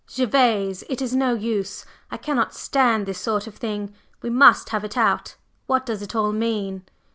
"Gervase, it is no use, I cannot stand this sort of thing. We must have it out. What does it all mean?"